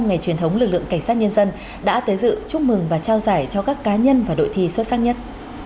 ngày truyền thống lực lượng cảnh sát nhân dân đã tới dự chúc mừng và trao giải cho các cá nhân và đội thi xuất sắc nhất